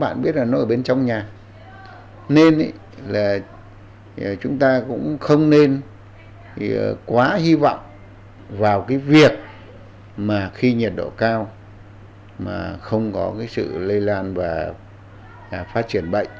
nên là chúng ta cũng không nên quá hy vọng vào cái việc mà khi nhiệt độ cao mà không có cái sự lây lan và phát triển bệnh